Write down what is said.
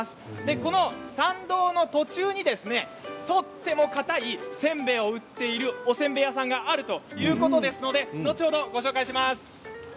この参道の途中にとても、かたいせんべいを売っているおせんべい屋さんがあるということですので後ほどご紹介します。